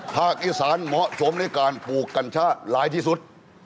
ภาคอีสานเหมาะสมในการปลูกกัญชาร้ายที่สุด